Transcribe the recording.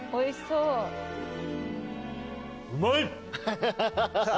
うまい！